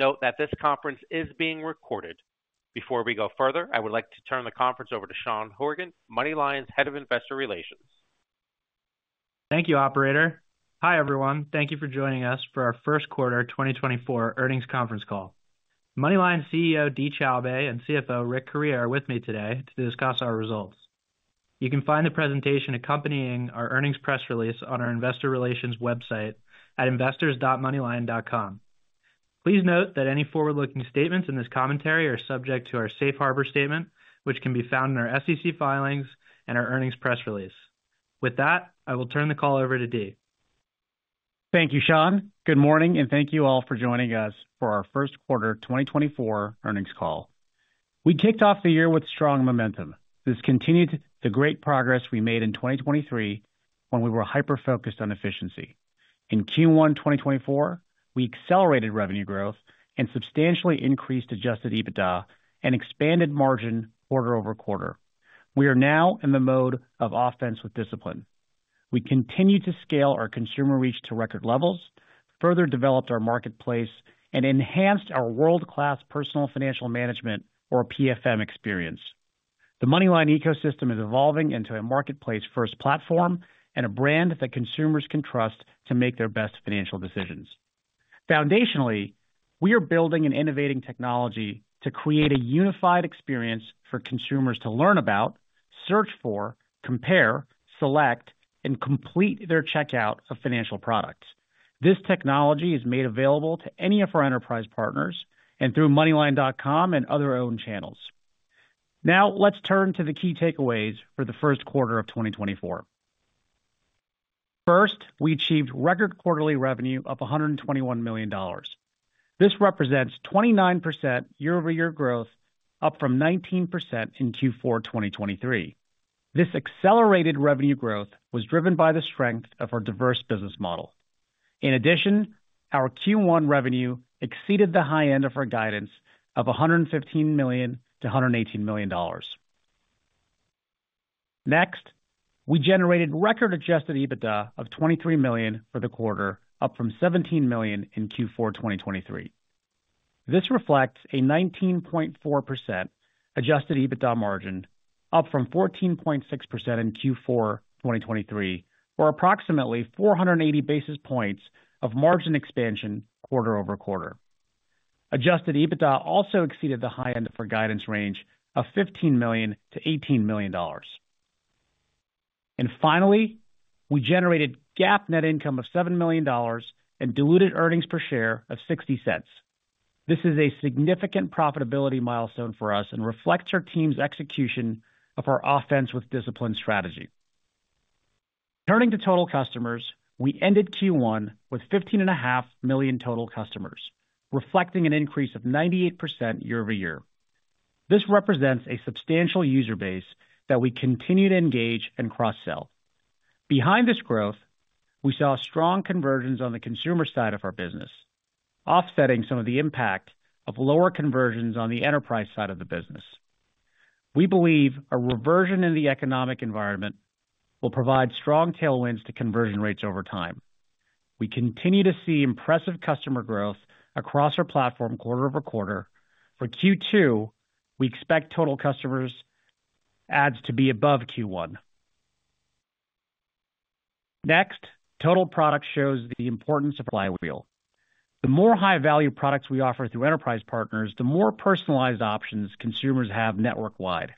Please note that this conference is being recorded. Before we go further, I would like to turn the conference over to Sean Horgan, MoneyLion's Head of Investor Relations. Thank you, operator. Hi, everyone. Thank you for joining us for our first quarter 2024 earnings conference call. MoneyLion's CEO, Dee Choubey, and CFO, Rick Correia, are with me today to discuss our results. You can find the presentation accompanying our earnings press release on our investor relations website at investors.moneylion.com. Please note that any forward-looking statements in this commentary are subject to our Safe Harbor statement, which can be found in our SEC filings and our earnings press release. With that, I will turn the call over to Dee. Thank you, Sean. Good morning, and thank you all for joining us for our first quarter 2024 earnings call. We kicked off the year with strong momentum. This continued the great progress we made in 2023 when we were hyper-focused on efficiency. In Q1 2024, we accelerated revenue growth and substantially increased Adjusted EBITDA and expanded margin quarter over quarter. We are now in the mode of offense with discipline. We continue to scale our consumer reach to record levels, further developed our marketplace, and enhanced our world-class personal financial management or PFM experience. The MoneyLion ecosystem is evolving into a marketplace-first platform and a brand that consumers can trust to make their best financial decisions. Foundationally, we are building an innovative technology to create a unified experience for consumers to learn about, search for, compare, select, and complete their checkout of financial products. This technology is made available to any of our enterprise partners and through MoneyLion.com and other own channels. Now, let's turn to the key takeaways for the first quarter of 2024. First, we achieved record quarterly revenue of $121 million. This represents 29% year-over-year growth, up from 19% in Q4 2023. This accelerated revenue growth was driven by the strength of our diverse business model. In addition, our Q1 revenue exceeded the high end of our guidance of $115 million-$118 million. Next, we generated record Adjusted EBITDA of $23 million for the quarter, up from $17 million in Q4 2023. This reflects a 19.4% Adjusted EBITDA margin, up from 14.6% in Q4 2023, or approximately 480 basis points of margin expansion quarter-over-quarter. Adjusted EBITDA also exceeded the high end of our guidance range of $15 million-$18 million. Finally, we generated GAAP net income of $7 million and diluted earnings per share of $0.60. This is a significant profitability milestone for us and reflects our team's execution of our offense with discipline strategy. Turning to total customers, we ended Q1 with 15.5 million total customers, reflecting an increase of 98% year-over-year. This represents a substantial user base that we continue to engage and cross-sell. Behind this growth, we saw strong conversions on the consumer side of our business, offsetting some of the impact of lower conversions on the enterprise side of the business. We believe a reversion in the economic environment will provide strong tailwinds to conversion rates over time. We continue to see impressive customer growth across our platform quarter-over-quarter. For Q2, we expect total customers adds to be above Q1. Next, total product shows the importance of supply wheel. The more high-value products we offer through enterprise partners, the more personalized options consumers have network-wide.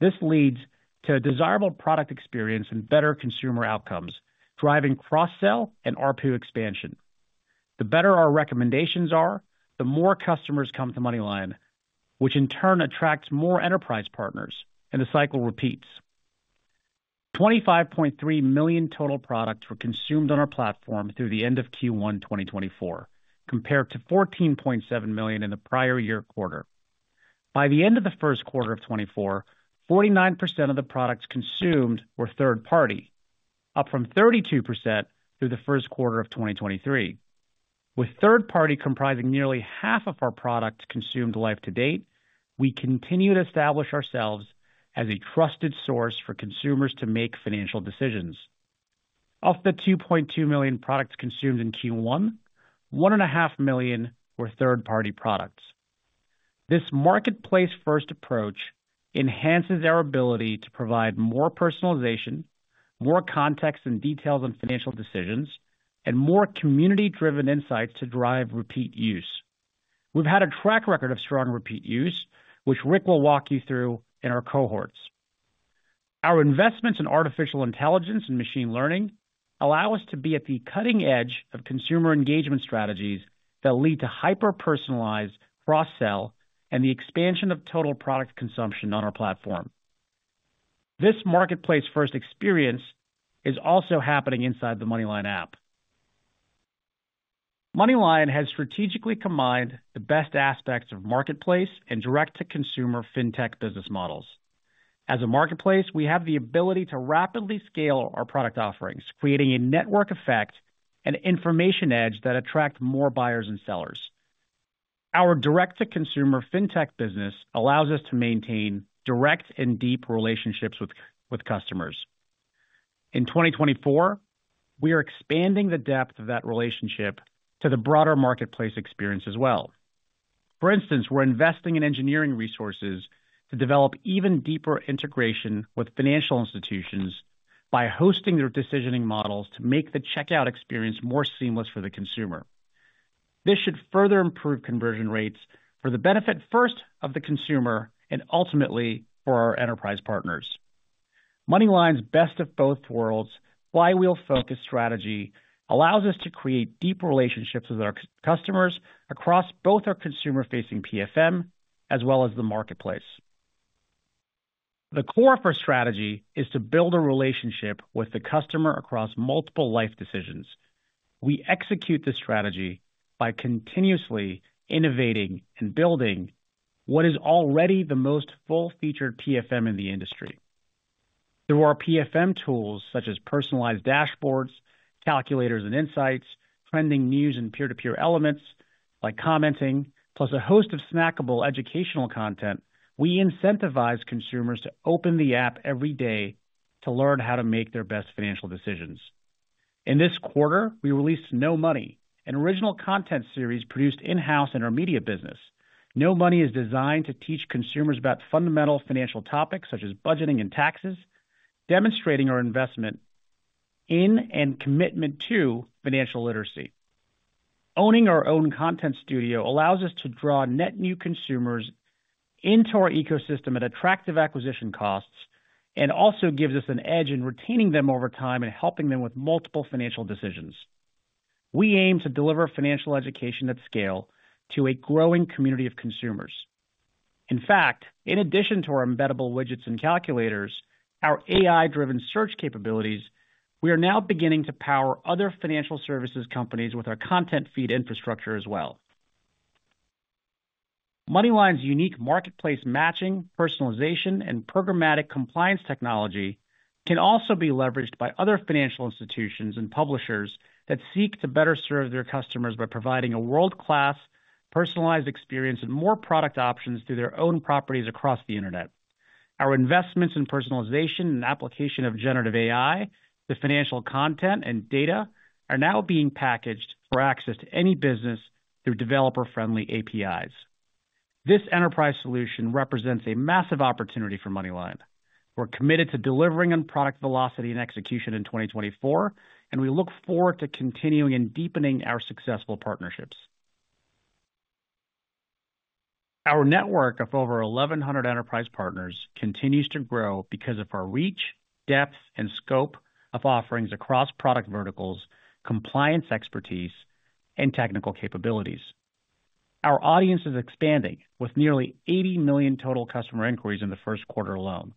This leads to a desirable product experience and better consumer outcomes, driving cross-sell and RPU expansion. The better our recommendations are, the more customers come to MoneyLion, which in turn attracts more enterprise partners, and the cycle repeats. 25.3 million total products were consumed on our platform through the end of Q1 2024, compared to 14.7 million in the prior year quarter. By the end of the first quarter of 2024, 49% of the products consumed were third-party, up from 32% through the first quarter of 2023. With third-party comprising nearly half of our products consumed life to date, we continue to establish ourselves as a trusted source for consumers to make financial decisions. Of the 2.2 million products consumed in Q1, 1.5 million were third-party products. This marketplace-first approach enhances our ability to provide more personalization, more context and details on financial decisions, and more community-driven insights to drive repeat use. We've had a track record of strong repeat use, which Rick will walk you through in our cohorts. Our investments in artificial intelligence and machine learning allow us to be at the cutting edge of consumer engagement strategies that lead to hyper-personalized cross-sell and the expansion of total product consumption on our platform. This marketplace-first experience is also happening inside the MoneyLion app. MoneyLion has strategically combined the best aspects of marketplace and direct-to-consumer fintech business models. As a marketplace, we have the ability to rapidly scale our product offerings, creating a network effect and information edge that attract more buyers and sellers. Our direct-to-consumer fintech business allows us to maintain direct and deep relationships with customers. In 2024, we are expanding the depth of that relationship to the broader marketplace experience as well. For instance, we're investing in engineering resources to develop even deeper integration with financial institutions by hosting their decisioning models to make the checkout experience more seamless for the consumer. This should further improve conversion rates for the benefit, first, of the consumer and ultimately for our enterprise partners. MoneyLion's best of both worlds, flywheel-focused strategy allows us to create deep relationships with our customers across both our consumer-facing PFM as well as the marketplace. The core of our strategy is to build a relationship with the customer across multiple life decisions. We execute this strategy by continuously innovating and building what is already the most full-featured PFM in the industry. Through our PFM tools, such as personalized dashboards, calculators and insights, trending news and peer-to-peer elements, like commenting, plus a host of snackable educational content, we incentivize consumers to open the app every day to learn how to make their best financial decisions. In this quarter, we released Know Money, an original content series produced in-house in our media business. Know Money is designed to teach consumers about fundamental financial topics, such as budgeting and taxes, demonstrating our investment in and commitment to financial literacy. Owning our own content studio allows us to draw net new consumers into our ecosystem at attractive acquisition costs, and also gives us an edge in retaining them over time and helping them with multiple financial decisions. We aim to deliver financial education at scale to a growing community of consumers. In fact, in addition to our embeddable widgets and calculators, our AI-driven search capabilities. We are now beginning to power other financial services companies with our content feed infrastructure as well. MoneyLion's unique marketplace matching, personalization, and programmatic compliance technology can also be leveraged by other financial institutions and publishers that seek to better serve their customers by providing a world-class personalized experience and more product options through their own properties across the internet. Our investments in personalization and application of generative AI, the financial content and data, are now being packaged for access to any business through developer-friendly APIs. This enterprise solution represents a massive opportunity for MoneyLion. We're committed to delivering on product velocity and execution in 2024, and we look forward to continuing and deepening our successful partnerships. Our network of over 1,100 enterprise partners continues to grow because of our reach, depth, and scope of offerings across product verticals, compliance expertise, and technical capabilities. Our audience is expanding, with nearly 80 million total customer inquiries in the first quarter alone.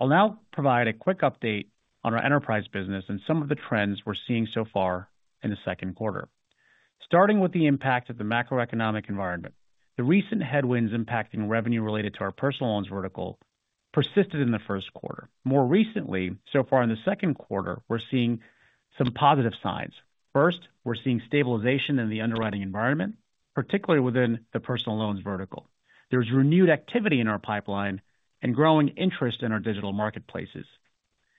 I'll now provide a quick update on our enterprise business and some of the trends we're seeing so far in the second quarter. Starting with the impact of the macroeconomic environment, the recent headwinds impacting revenue related to our personal loans vertical persisted in the first quarter. More recently, so far in the second quarter, we're seeing some positive signs. First, we're seeing stabilization in the underwriting environment, particularly within the personal loans vertical. There's renewed activity in our pipeline and growing interest in our digital marketplaces.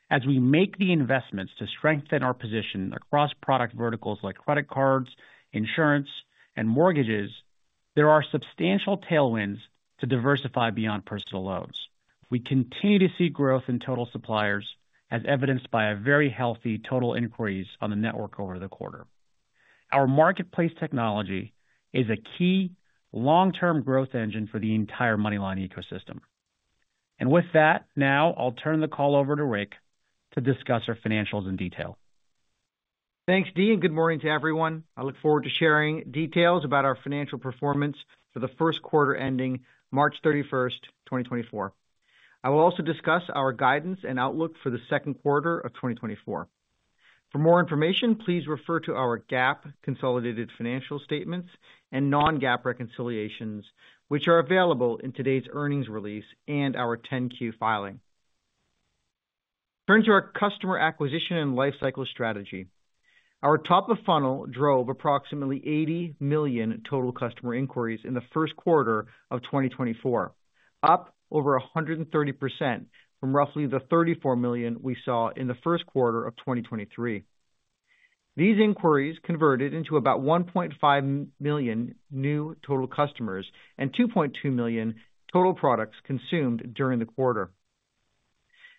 As we make the investments to strengthen our position across product verticals like credit cards, insurance, and mortgages, there are substantial tailwinds to diversify beyond personal loans. We continue to see growth in total suppliers, as evidenced by a very healthy total inquiries on the network over the quarter. Our marketplace technology is a key long-term growth engine for the entire MoneyLion ecosystem. And with that, now I'll turn the call over to Rick to discuss our financials in detail. Thanks, Dee, and good morning to everyone. I look forward to sharing details about our financial performance for the first quarter ending March 31, 2024. I will also discuss our guidance and outlook for the second quarter of 2024. For more information, please refer to our GAAP consolidated financial statements and non-GAAP reconciliations, which are available in today's earnings release and our 10-Q filing. Turning to our customer acquisition and lifecycle strategy. Our top of funnel drove approximately 80 million total customer inquiries in the first quarter of 2024, up over 130% from roughly the 34 million we saw in the first quarter of 2023. These inquiries converted into about 1.5 million new total customers and 2.2 million total products consumed during the quarter.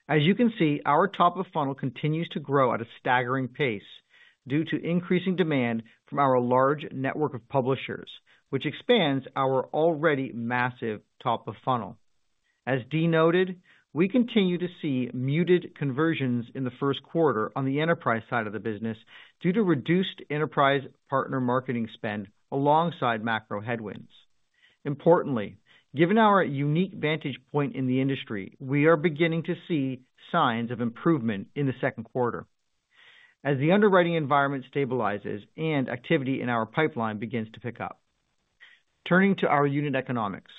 As you can see, our top of funnel continues to grow at a staggering pace due to increasing demand from our large network of publishers, which expands our already massive top of funnel. As Dee noted, we continue to see muted conversions in the first quarter on the enterprise side of the business due to reduced enterprise partner marketing spend alongside macro headwinds. Importantly, given our unique vantage point in the industry, we are beginning to see signs of improvement in the second quarter as the underwriting environment stabilizes and activity in our pipeline begins to pick up. Turning to our unit economics.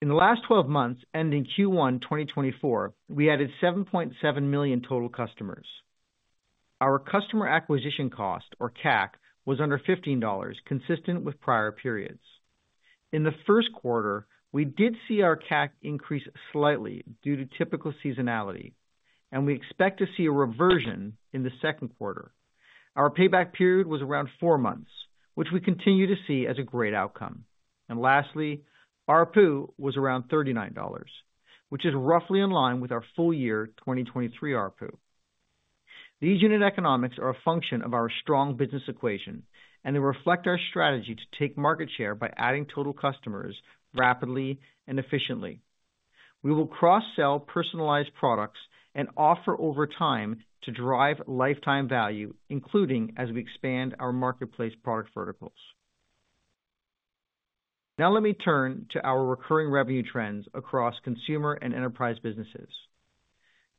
In the last 12 months, ending Q1, 2024, we added 7.7 million total customers... Our customer acquisition cost, or CAC, was under $15, consistent with prior periods. In the first quarter, we did see our CAC increase slightly due to typical seasonality, and we expect to see a reversion in the second quarter. Our payback period was around four months, which we continue to see as a great outcome. Lastly, ARPU was around $39, which is roughly in line with our full year 2023. [inaudible] These unit economics are a function of our strong business equation, and they reflect our strategy to take market share by adding total customers rapidly and efficiently. We will cross-sell personalized products and offer over time to drive lifetime value, including as we expand our marketplace product verticals. Now let me turn to our recurring revenue trends across consumer and enterprise businesses.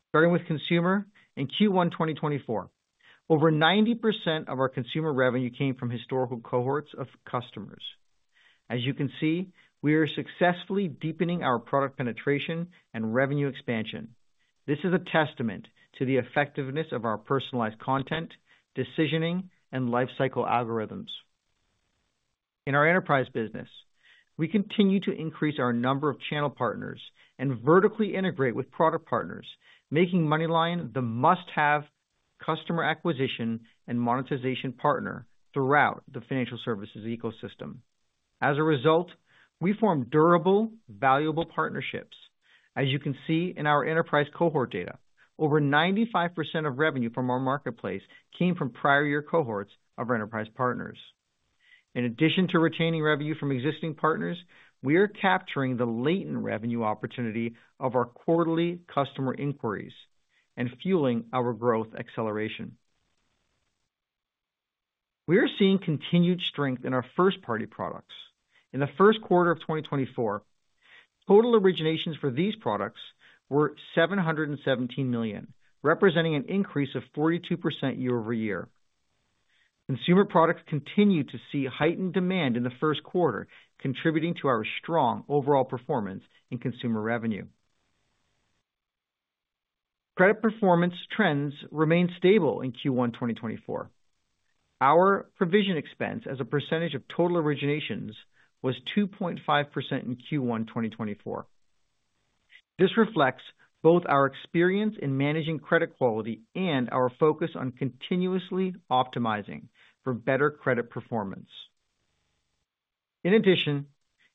Starting with consumer, in Q1 2024, over 90% of our consumer revenue came from historical cohorts of customers. As you can see, we are successfully deepening our product penetration and revenue expansion. This is a testament to the effectiveness of our personalized content, decisioning, and lifecycle algorithms. In our enterprise business, we continue to increase our number of channel partners and vertically integrate with product partners, making MoneyLion the must-have customer acquisition and monetization partner throughout the financial services ecosystem. As a result, we form durable, valuable partnerships. As you can see in our enterprise cohort data, over 95% of revenue from our marketplace came from prior year cohorts of our enterprise partners. In addition to retaining revenue from existing partners, we are capturing the latent revenue opportunity of our quarterly customer inquiries and fueling our growth acceleration. We are seeing continued strength in our first-party products. In the first quarter of 2024, total originations for these products were $717 million, representing an increase of 42% year-over-year. Consumer products continued to see heightened demand in the first quarter, contributing to our strong overall performance in consumer revenue. Credit performance trends remained stable in Q1 2024. Our provision expense as a percentage of total originations was 2.5% in Q1 2024. This reflects both our experience in managing credit quality and our focus on continuously optimizing for better credit performance. In addition,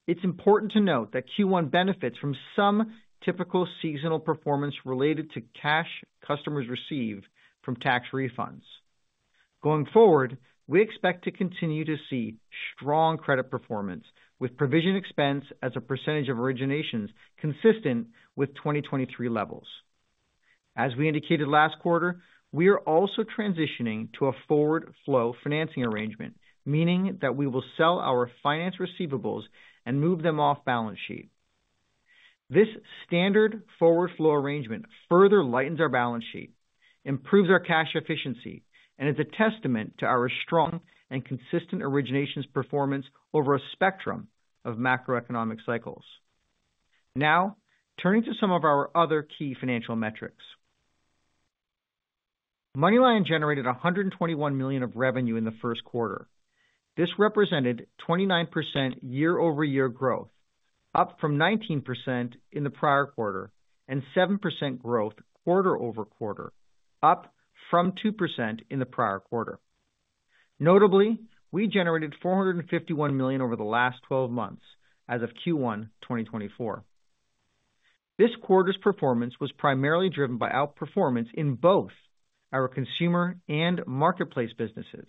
it's important to note that Q1 benefits from some typical seasonal performance related to cash customers receive from tax refunds. Going forward, we expect to continue to see strong credit performance with provision expense as a percentage of originations consistent with 2023 levels. As we indicated last quarter, we are also transitioning to a forward flow financing arrangement, meaning that we will sell our finance receivables and move them off balance sheet. This standard forward flow arrangement further lightens our balance sheet, improves our cash efficiency, and is a testament to our strong and consistent originations performance over a spectrum of macroeconomic cycles. Now, turning to some of our other key financial metrics. MoneyLion generated $121 million of revenue in the first quarter. This represented 29% year-over-year growth, up from 19% in the prior quarter, and 7% growth quarter-over-quarter, up from 2% in the prior quarter. Notably, we generated $451 million over the last 12 months as of Q1 2024. This quarter's performance was primarily driven by outperformance in both our consumer and marketplace businesses.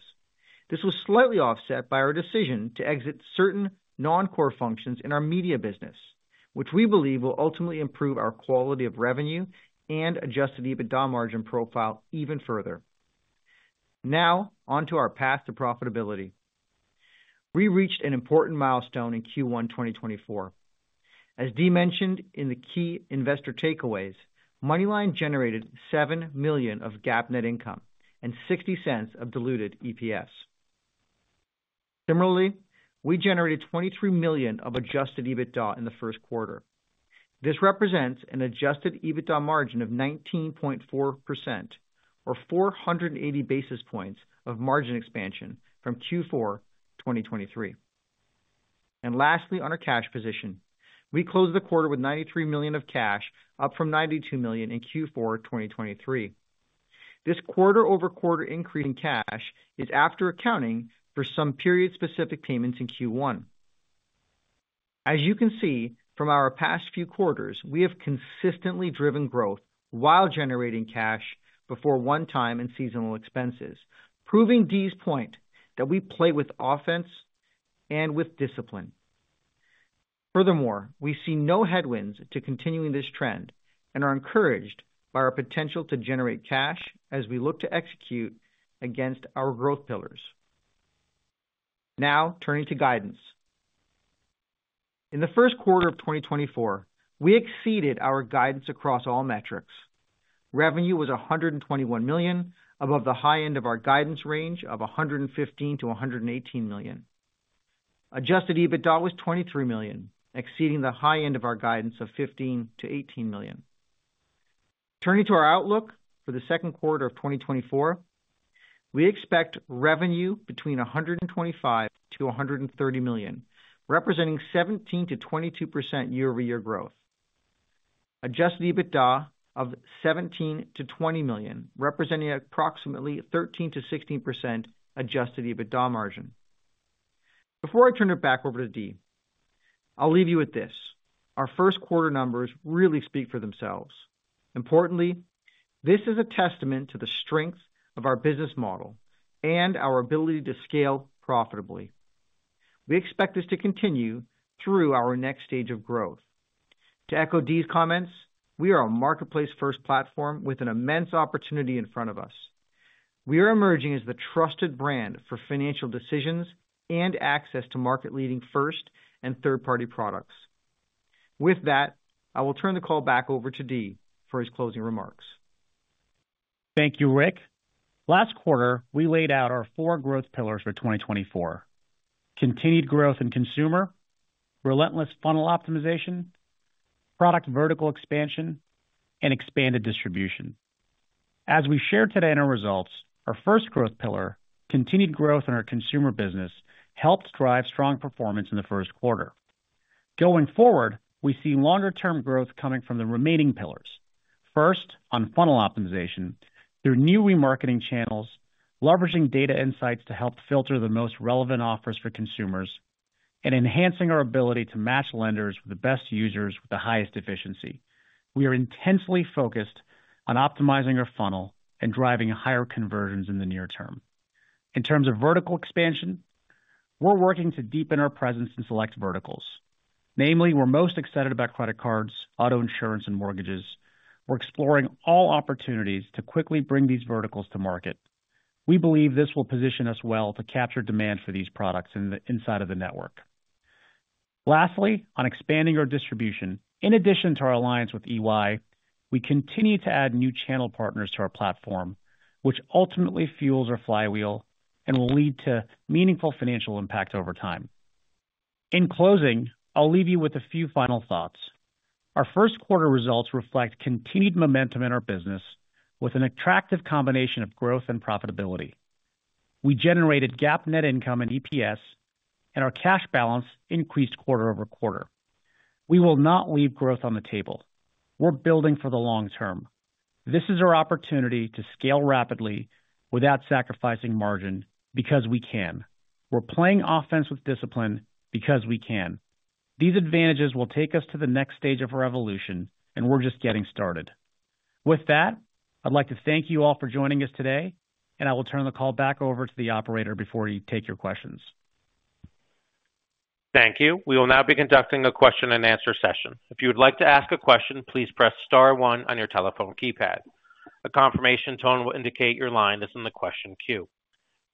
This was slightly offset by our decision to exit certain non-core functions in our media business, which we believe will ultimately improve our quality of revenue and adjusted EBITDA margin profile even further. Now, on to our path to profitability. We reached an important milestone in Q1 2024. As Dee mentioned in the key investor takeaways, MoneyLion generated $7 million of GAAP net income and $0.60 of diluted EPS. Similarly, we generated $23 million of adjusted EBITDA in the first quarter. This represents an adjusted EBITDA margin of 19.4% or 480 basis points of margin expansion from Q4 2023. Lastly, on our cash position, we closed the quarter with $93 million of cash, up from $92 million in Q4 2023. This quarter-over-quarter increase in cash is after accounting for some period-specific payments in Q1. As you can see from our past few quarters, we have consistently driven growth while generating cash before one-time and seasonal expenses, proving Dee's point that we play with offense and with discipline. Furthermore, we see no headwinds to continuing this trend and are encouraged by our potential to generate cash as we look to execute against our growth pillars. Now, turning to guidance. In the first quarter of 2024, we exceeded our guidance across all metrics. Revenue was $121 million, above the high end of our guidance range of $115 million-$118 million. Adjusted EBITDA was $23 million, exceeding the high end of our guidance of $15 million-$18 million. Turning to our outlook for the second quarter of 2024, we expect revenue between $125 million-$130 million, representing 17%-22% year-over-year growth. Adjusted EBITDA of $17 million-$20 million, representing approximately 13%-16% adjusted EBITDA margin. Before I turn it back over to Dee, I'll leave you with this: Our first quarter numbers really speak for themselves. Importantly, this is a testament to the strength of our business model and our ability to scale profitably. We expect this to continue through our next stage of growth. To echo Dee's comments, we are a marketplace-first platform with an immense opportunity in front of us. We are emerging as the trusted brand for financial decisions and access to market-leading first and third-party products. With that, I will turn the call back over to Dee for his closing remarks. Thank you, Rick. Last quarter, we laid out our four growth pillars for 2024. Continued growth in consumer, relentless funnel optimization, product vertical expansion, and expanded distribution. As we shared today in our results, our first growth pillar, continued growth in our consumer business, helped drive strong performance in the first quarter. Going forward, we see longer-term growth coming from the remaining pillars. First, on funnel optimization, through new remarketing channels, leveraging data insights to help filter the most relevant offers for consumers, and enhancing our ability to match lenders with the best users with the highest efficiency. We are intensely focused on optimizing our funnel and driving higher conversions in the near term. In terms of vertical expansion, we're working to deepen our presence in select verticals. Namely, we're most excited about credit cards, auto insurance, and mortgages. We're exploring all opportunities to quickly bring these verticals to market. We believe this will position us well to capture demand for these products in the inside of the network. Lastly, on expanding our distribution, in addition to our alliance with EY, we continue to add new channel partners to our platform, which ultimately fuels our flywheel and will lead to meaningful financial impact over time. In closing, I'll leave you with a few final thoughts. Our first quarter results reflect continued momentum in our business with an attractive combination of growth and profitability. We generated GAAP net income and EPS, and our cash balance increased quarter-over-quarter. We will not leave growth on the table. We're building for the long term. This is our opportunity to scale rapidly without sacrificing margin, because we can. We're playing offense with discipline because we can. These advantages will take us to the next stage of our evolution, and we're just getting started. With that, I'd like to thank you all for joining us today, and I will turn the call back over to the operator before we take your questions. Thank you. We will now be conducting a question-and-answer session. If you would like to ask a question, please press star one on your telephone keypad. A confirmation tone will indicate your line is in the question queue.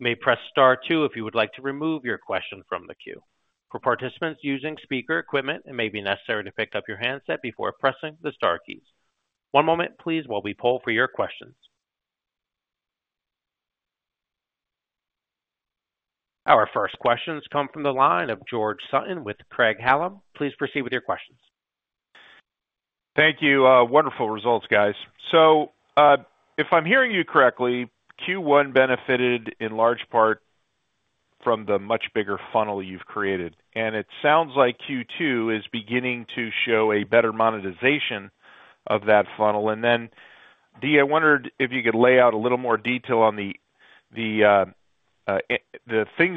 You may press star two if you would like to remove your question from the queue. For participants using speaker equipment, it may be necessary to pick up your handset before pressing the star keys. One moment, please, while we poll for your questions. Our first questions come from the line of George Sutton with Craig-Hallum. Please proceed with your questions. Thank you. Wonderful results, guys. So, if I'm hearing you correctly, Q1 benefited in large part from the much bigger funnel you've created, and it sounds like Q2 is beginning to show a better monetization of that funnel. And then, Dee, I wondered if you could lay out a little more detail on the things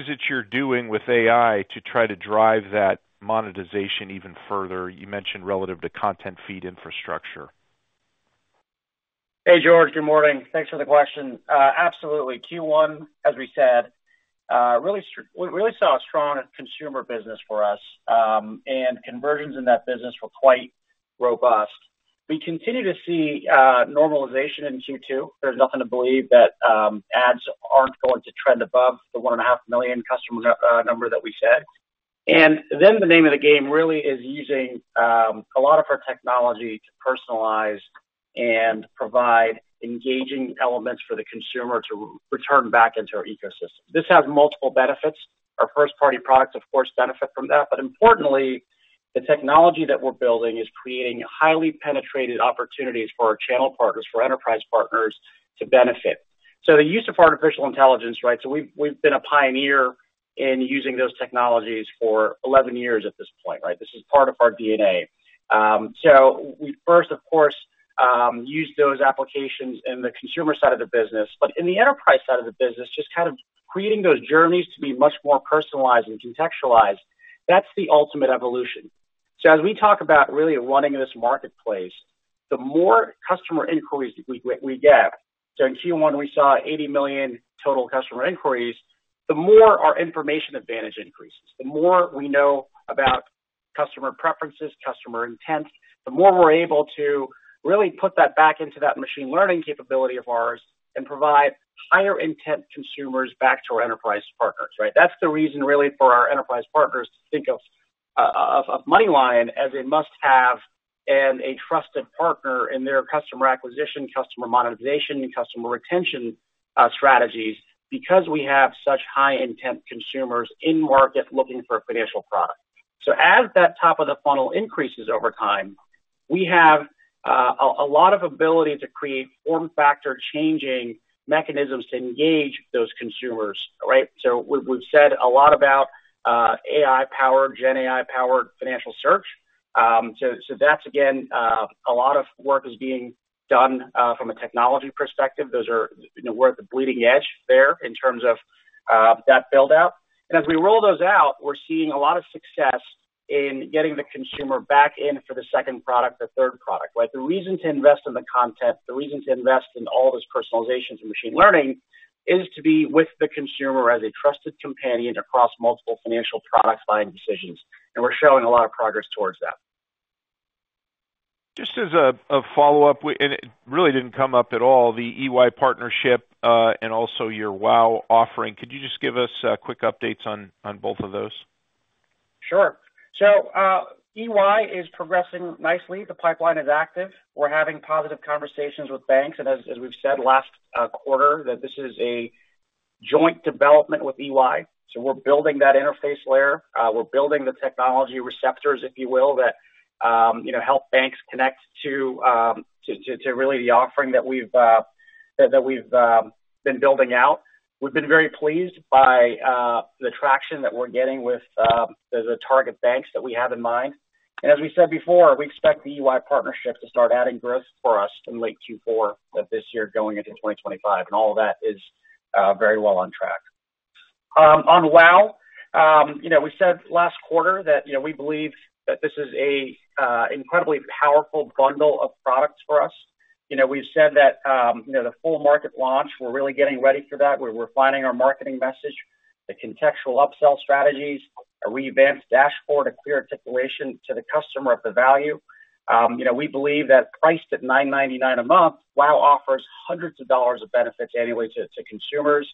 that you're doing with AI to try to drive that monetization even further, you mentioned relative to content feed infrastructure. Hey, George. Good morning. Thanks for the question. Absolutely. Q1, as we said, really saw a strong consumer business for us, and conversions in that business were quite robust. We continue to see normalization in Q2. There's nothing to believe that ads aren't going to trend above the 1.5 million customer number that we said. And then the name of the game really is using a lot of our technology to personalize and provide engaging elements for the consumer to return back into our ecosystem. This has multiple benefits. Our first-party products, of course, benefit from that, but importantly, the technology that we're building is creating highly penetrated opportunities for our channel partners, for enterprise partners to benefit. So the use of artificial intelligence, right? So we've been a pioneer in using those technologies for 11 years at this point, right? This is part of our DNA. So we first, of course, used those applications in the consumer side of the business, but in the enterprise side of the business, just kind of creating those journeys to be much more personalized and contextualized, that's the ultimate evolution. So as we talk about really running this marketplace, the more customer inquiries we get, so in Q1, we saw 80 million total customer inquiries, the more our information advantage increases. The more we know about customer preferences, customer intent, the more we're able to really put that back into that machine learning capability of ours and provide higher intent consumers back to our enterprise partners, right? That's the reason, really, for our enterprise partners to think of us.... of MoneyLion as a must-have and a trusted partner in their customer acquisition, customer monetization, and customer retention strategies, because we have such high intent consumers in market looking for a financial product. So as that top of the funnel increases over time, we have a lot of ability to create form factor changing mechanisms to engage those consumers, right? So we've said a lot about AI-powered, Gen AI-powered financial search. So that's again a lot of work is being done from a technology perspective. Those are, you know, we're at the bleeding edge there in terms of that build-out. And as we roll those out, we're seeing a lot of success in getting the consumer back in for the second product, the third product, right? The reason to invest in the content, the reason to invest in all this personalization to machine learning, is to be with the consumer as a trusted companion across multiple financial product buying decisions, and we're showing a lot of progress towards that. Just as a follow-up, and it really didn't come up at all, the EY partnership and also your WOW offering. Could you just give us quick updates on both of those? Sure. So, EY is progressing nicely. The pipeline is active. We're having positive conversations with banks, and as we've said last quarter, that this is a joint development with EY. So we're building that interface layer. We're building the technology receptors, if you will, that you know help banks connect to really the offering that we've been building out. We've been very pleased by the traction that we're getting with the target banks that we have in mind. And as we said before, we expect the EY partnership to start adding growth for us in late Q4 of this year, going into 2025, and all of that is very well on track. On WOW, you know, we said last quarter that, you know, we believe that this is an incredibly powerful bundle of products for us. You know, we've said that, you know, the full market launch, we're really getting ready for that. We're refining our marketing message, the contextual upsell strategies, a revamped dashboard, a clear articulation to the customer of the value. You know, we believe that priced at $9.99 a month, WOW offers hundreds of dollars of benefits annually to consumers.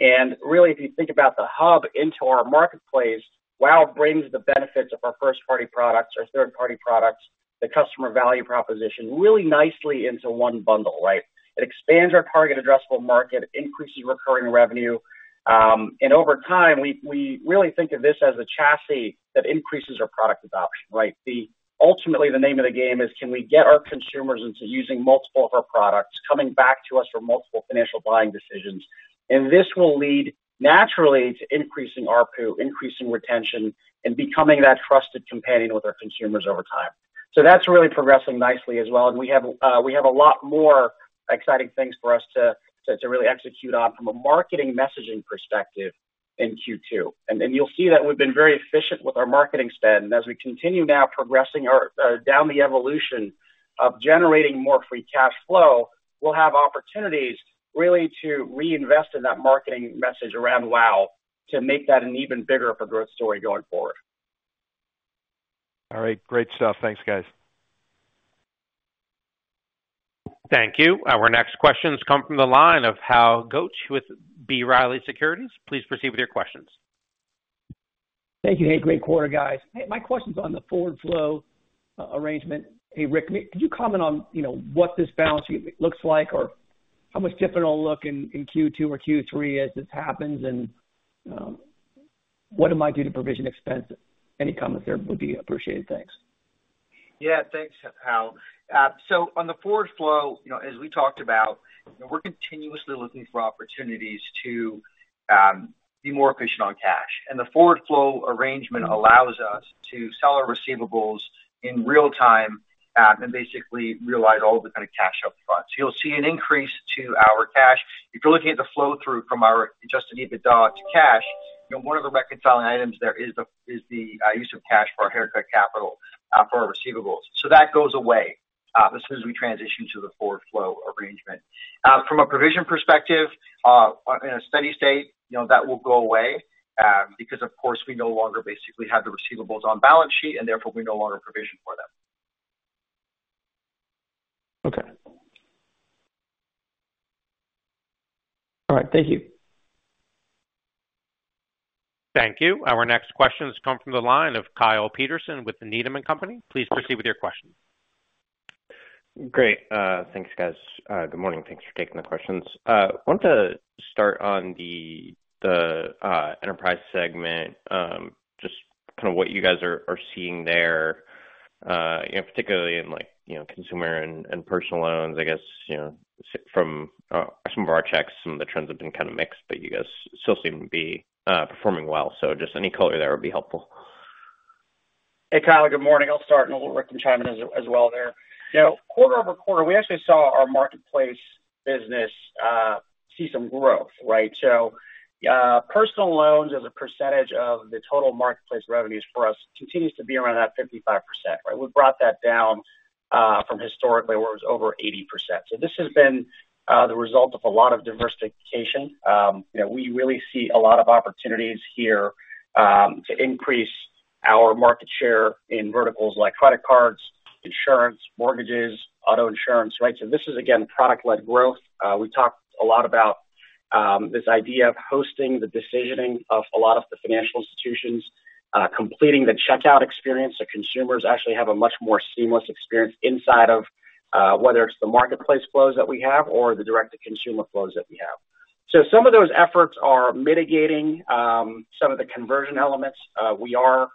And really, if you think about the hub into our marketplace, WOW brings the benefits of our first-party products, our third-party products, the customer value proposition, really nicely into one bundle, right? It expands our target addressable market, increases recurring revenue, and over time, we really think of this as a chassis that increases our product adoption, right? Ultimately, the name of the game is: Can we get our consumers into using multiple of our products, coming back to us for multiple financial buying decisions? And this will lead naturally to increasing ARPU, increasing retention, and becoming that trusted companion with our consumers over time. So that's really progressing nicely as well, and we have a lot more exciting things for us to really execute on from a marketing messaging perspective in Q2. And then you'll see that we've been very efficient with our marketing spend. And as we continue now progressing our down the evolution of generating more free cash flow, we'll have opportunities really to reinvest in that marketing message around Wow, to make that an even bigger of a growth story going forward. All right. Great stuff. Thanks, guys. Thank you. Our next questions come from the line of Hal Goetsch with B. Riley Securities. Please proceed with your questions. Thank you. Hey, great quarter, guys. Hey, my question's on the forward flow arrangement. Hey, Rick, could you comment on, you know, what this balance sheet looks like, or how much different it'll look in Q2 or Q3 as this happens? And, what it might do to provision expense. Any comment there would be appreciated. Thanks. Yeah, thanks, Hal. So on the forward flow, you know, as we talked about, you know, we're continuously looking for opportunities to be more efficient on cash. And the forward flow arrangement allows us to sell our receivables in real time and basically realize all the kind of cash up front. So you'll see an increase to our cash. If you're looking at the flow-through from our adjusted EBITDA to cash, you know, one of the reconciling items there is the use of cash for our haircut capital for our receivables. So that goes away as soon as we transition to the forward flow arrangement. From a provision perspective, in a steady state, you know, that will go away, because, of course, we no longer basically have the receivables on balance sheet, and therefore we no longer provision for them. Okay. All right, thank you. Thank you. Our next question has come from the line of Kyle Peterson with the Needham & Company. Please proceed with your question. Great. Thanks, guys. Good morning, thanks for taking the questions. I wanted to start on the enterprise segment, just kind of what you guys are seeing there, you know, particularly in like, you know, consumer and personal loans, I guess, you know, from some of our checks, some of the trends have been kind of mixed, but you guys still seem to be performing well. So just any color there would be helpful. Hey, Kyle, good morning. I'll start and a little Rick can chime in as well there. You know, quarter-over-quarter, we actually saw our marketplace business see some growth, right? So, personal loans as a percentage of the total marketplace revenues for us continues to be around that 55%, right? We brought that down, from historically, where it was over 80%. So this has been the result of a lot of diversification. You know, we really see a lot of opportunities here to increase our market share in verticals like credit cards, insurance, mortgages, auto insurance, right? So this is again, product-led growth. We talked a lot about this idea of hosting the decisioning of a lot of the financial institutions, completing the checkout experience. So consumers actually have a much more seamless experience inside of whether it's the marketplace flows that we have or the direct-to-consumer flows that we have. So some of those efforts are mitigating some of the conversion elements. We are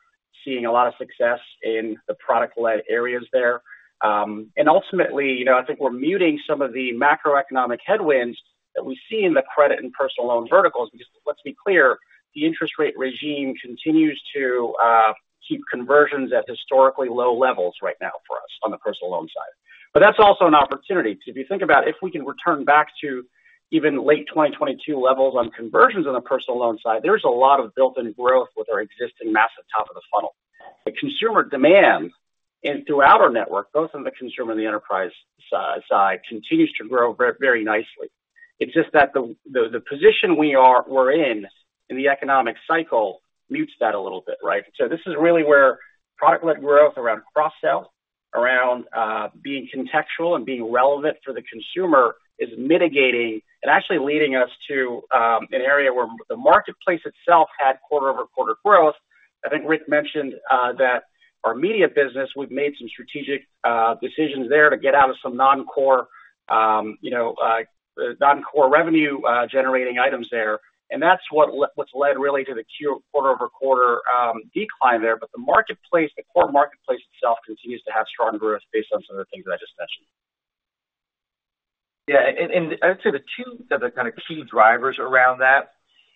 seeing a lot of success in the product-led areas there. And ultimately, you know, I think we're muting some of the macroeconomic headwinds that we see in the credit and personal loan verticals, because let's be clear, the interest rate regime continues to keep conversions at historically low levels right now for us on the personal loan side. But that's also an opportunity to, if you think about it, if we can return back to even late 2022 levels on conversions on the personal loan side, there's a lot of built-in growth with our existing massive top of the funnel. The consumer demand and throughout our network, both on the consumer and the enterprise side, continues to grow very, very nicely. It's just that the position we're in, in the economic cycle mutes that a little bit, right? So this is really where product-led growth around cross-sell, around, being contextual and being relevant for the consumer is mitigating and actually leading us to an area where the marketplace itself had quarter-over-quarter growth. I think Rick mentioned that our media business, we've made some strategic decisions there to get out of some non-core, you know, non-core revenue generating items there, and that's what's led really to the quarter-over-quarter decline there. But the marketplace, the core marketplace itself, continues to have strong growth based on some of the things I just mentioned. Yeah, and I'd say the two other kind of key drivers around that.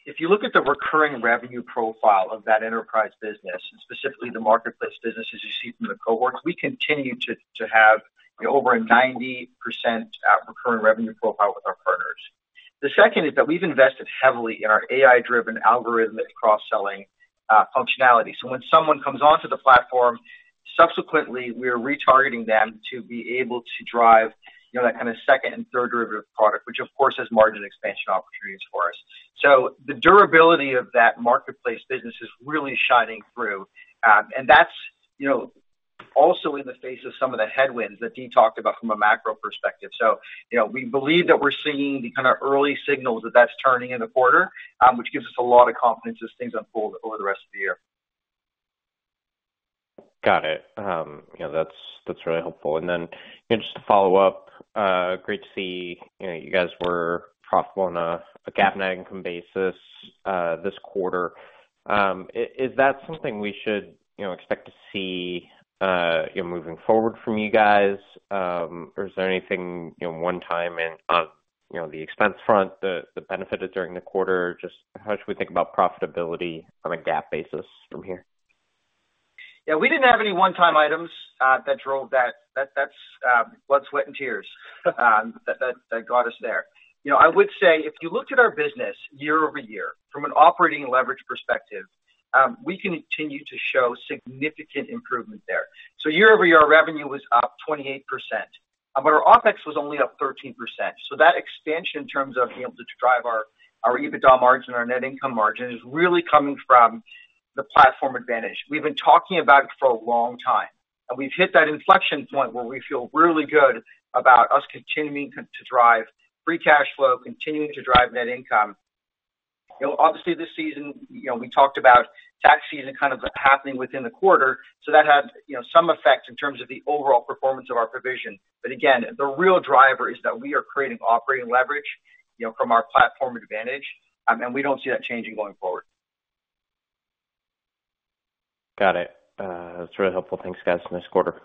If you look at the recurring revenue profile of that enterprise business, and specifically the marketplace business, as you see from the cohorts, we continue to have over a 90% recurring revenue profile with our partners. The second is that we've invested heavily in our AI-driven algorithmic cross-selling functionality. So when someone comes onto the platform, subsequently, we are retargeting them to be able to drive, you know, that kind of second and third derivative product, which of course has margin expansion opportunities for us. So the durability of that marketplace business is really shining through. And that's, you know, also in the face of some of the headwinds that Dee talked about from a macro perspective. You know, we believe that we're seeing the kind of early signals that that's turning in the quarter, which gives us a lot of confidence as things unfold over the rest of the year. Got it. You know, that's really helpful. And then just to follow up, great to see, you know, you guys were profitable on a GAAP net income basis, this quarter. Is that something we should, you know, expect to see, you know, moving forward from you guys? Or is there anything, you know, one-time on the expense front that benefited during the quarter? Just how should we think about profitability on a GAAP basis from here? Yeah, we didn't have any one-time items that drove that. That's blood, sweat, and tears that got us there. You know, I would say, if you looked at our business year-over-year from an operating leverage perspective, we continue to show significant improvement there. So year-over-year, our revenue was up 28%, but our OpEx was only up 13%. So that expansion in terms of being able to drive our EBITDA margin, our net income margin, is really coming from the platform advantage. We've been talking about it for a long time, and we've hit that inflection point where we feel really good about us continuing to drive free cash flow, continuing to drive net income. You know, obviously this season, you know, we talked about tax season kind of happening within the quarter, so that had, you know, some effect in terms of the overall performance of our provision. But again, the real driver is that we are creating operating leverage, you know, from our platform advantage, and we don't see that changing going forward. Got it. That's really helpful. Thanks, guys. Nice quarter.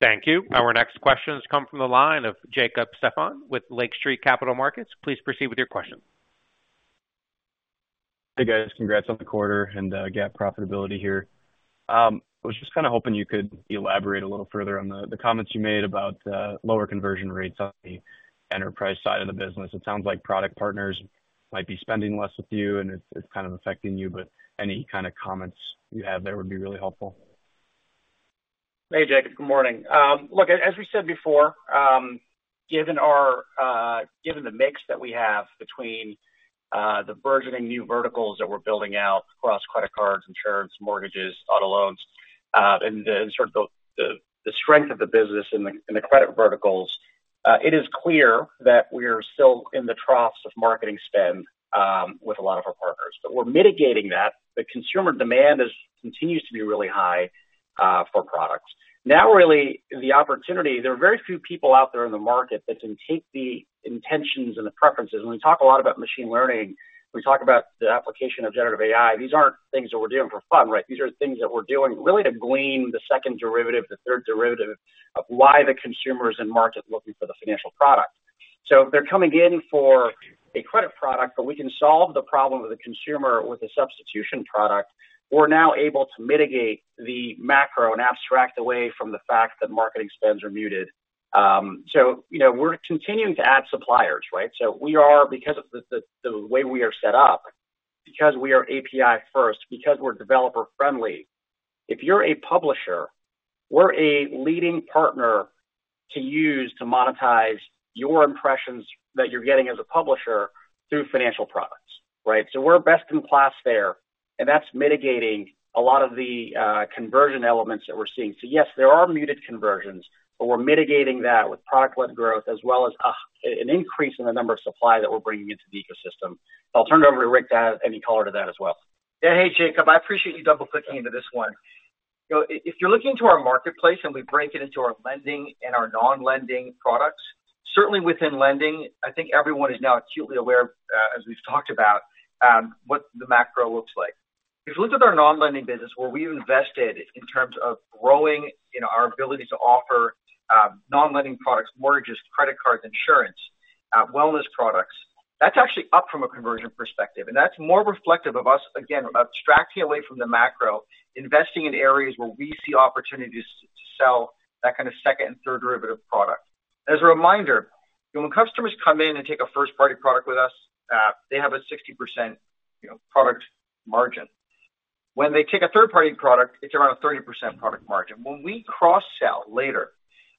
Thank you. Our next question has come from the line of Jacob Stephan with Lake Street Capital Markets. Please proceed with your question. Hey, guys. Congrats on the quarter and GAAP profitability here. I was just kind of hoping you could elaborate a little further on the comments you made about lower conversion rates on the enterprise side of the business. It sounds like product partners might be spending less with you, and it's kind of affecting you, but any kind of comments you have there would be really helpful. Hey, Jacob, good morning. Look, as we said before, given our, given the mix that we have between the burgeoning new verticals that we're building out across credit cards, insurance, mortgages, auto loans, and the strength of the business in the credit verticals, it is clear that we're still in the troughs of marketing spend with a lot of our partners. But we're mitigating that. The consumer demand is... continues to be really high for products. Now, really, the opportunity, there are very few people out there in the market that can take the intentions and the preferences. When we talk a lot about machine learning, we talk about the application of generative AI. These aren't things that we're doing for fun, right? These are things that we're doing really to glean the second derivative, the third derivative of why the consumer is in market looking for the financial product. So they're coming in for a credit product, but we can solve the problem of the consumer with a substitution product. We're now able to mitigate the macro and abstract away from the fact that marketing spends are muted. So you know, we're continuing to add suppliers, right? So we are, because of the, the, the way we are set up, because we are API first, because we're developer friendly, if you're a publisher, we're a leading partner-... to use to monetize your impressions that you're getting as a publisher through financial products, right? So we're best in class there, and that's mitigating a lot of the, conversion elements that we're seeing. So yes, there are muted conversions, but we're mitigating that with product led growth as well as a, an increase in the number of supply that we're bringing into the ecosystem. I'll turn it over to Rick to add any color to that as well. Yeah. Hey, Jacob, I appreciate you double-clicking into this one. You know, if you're looking to our marketplace and we break it into our lending and our non-lending products, certainly within lending, I think everyone is now acutely aware, as we've talked about, what the macro looks like. If you look at our non-lending business, where we've invested in terms of growing, you know, our ability to offer, non-lending products, mortgages, credit cards, insurance, wellness products, that's actually up from a conversion perspective. And that's more reflective of us, again, abstracting away from the macro, investing in areas where we see opportunities to sell that kind of second and third derivative product. As a reminder, when customers come in and take a first-party product with us, they have a 60%, you know, product margin. When they take a third-party product, it's around a 30% product margin. When we cross-sell later,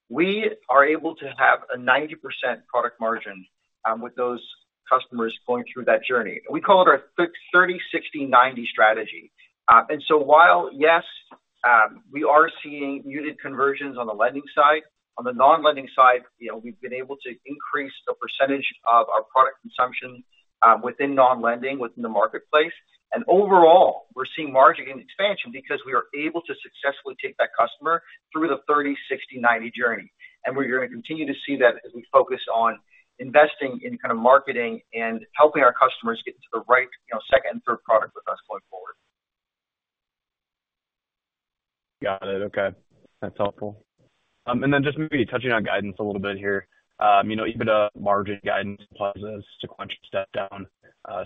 we are able to have a 90% product margin, with those customers going through that journey. We call it our 30-60-90 strategy. And so while, yes, we are seeing muted conversions on the lending side, on the non-lending side, you know, we've been able to increase the percentage of our product consumption, within non-lending, within the marketplace. And overall, we're seeing margin expansion because we are able to successfully take that customer through the 30-60-90 journey. And we're gonna continue to see that as we focus on investing in kind of marketing and helping our customers get to the right, you know, second and third product with us going forward. Got it. Okay, that's helpful. And then just maybe touching on guidance a little bit here. You know, EBITDA margin guidance plus a sequential step down,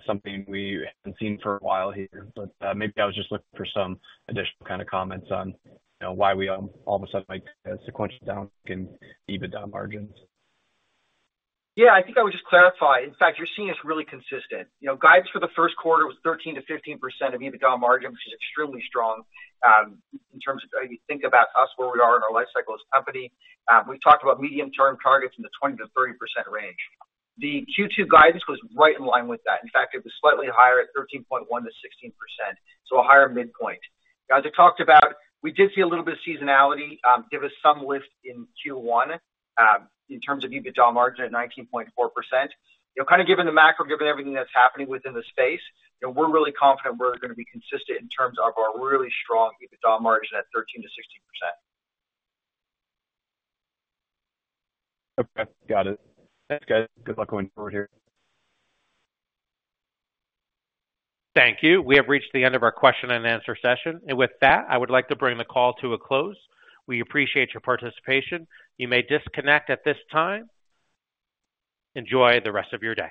something we haven't seen for a while here. But, maybe I was just looking for some additional kind of comments on, you know, why we all of a sudden, might see a sequential down in EBITDA margins. Yeah, I think I would just clarify. In fact, you're seeing us really consistent. You know, guidance for the first quarter was 13%-15% of EBITDA margin, which is extremely strong, in terms of how you think about us, where we are in our life cycle as a company. We've talked about medium-term targets in the 20%-30% range. The Q2 guidance was right in line with that. In fact, it was slightly higher at 13.1%-16%, so a higher midpoint. As I talked about, we did see a little bit of seasonality, give us some lift in Q1, in terms of EBITDA margin at 19.4%. You know, kind of given the macro, given everything that's happening within the space, you know, we're really confident we're gonna be consistent in terms of our really strong EBITDA margin at 13%-16%. Okay, got it. Thanks, guys. Good luck going forward here. Thank you. We have reached the end of our question and answer session. With that, I would like to bring the call to a close. We appreciate your participation. You may disconnect at this time. Enjoy the rest of your day.